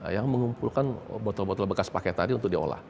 yang mengumpulkan botol botol bekas paket tadi untuk diolah